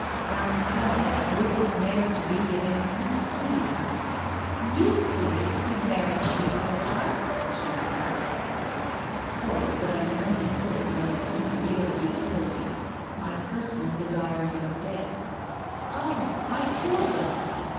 Now tell me, would this marriage be of any use to you ?" "Use to me to be married to you, Everard?" She started. "Sorry, but I can only put it from the point of view of utility. My personal desires are dead." "Ah, I killed them."